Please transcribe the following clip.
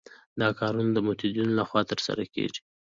دا کارونه د متدینو له خوا ترسره کېږي.